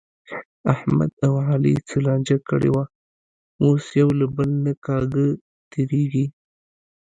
احمد او علي څه لانجه کړې وه، اوس یو له بل نه کاږه تېرېږي.